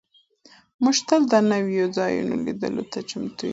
موږ تل د نویو ځایونو لیدلو ته چمتو یو.